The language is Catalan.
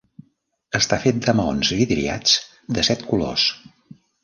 Està fet de maons vidriats de set colors.